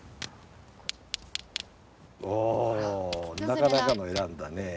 なかなかの選んだねぇ。